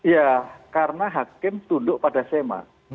ya karena hakim tunduk pada sema